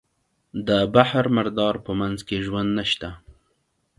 د بحر مردار په منځ کې ژوند نشته.